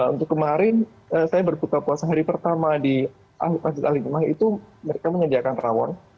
untuk kemarin saya berbuka puasa hari pertama di masjid al hikmah itu mereka menyediakan rawon